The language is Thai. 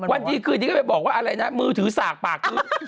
วันดีคืนนี้ก็ไปบอกว่าอะไรนะมือถือสากปากคือ